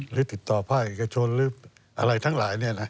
หรือติดต่อภาคเอกชนหรืออะไรทั้งหลาย